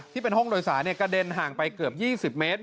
ที่เป็นห้องโดยสารกระเด็นห่างไปเกือบ๒๐เมตร